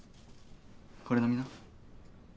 これ飲みな。